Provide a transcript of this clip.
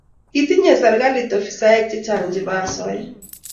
Kitinyei serikali ofisaek chechang chebo asoya.